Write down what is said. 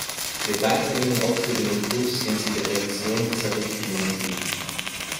Wir danken Ihnen auch für den Impuls, den Sie der Revision dieser Richtlinien geben.